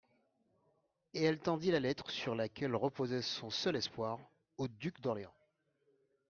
Et elle tendit la lettre, sur laquelle reposait son seul espoir, au duc d'Orléans.